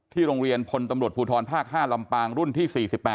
โรงเรียนพลตำรวจภูทรภาค๕ลำปางรุ่นที่๔๘